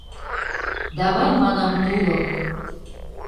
Давай, манам, тулым!